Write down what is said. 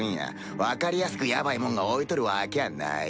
分かりやすくヤバいもんが置いとるわきゃない。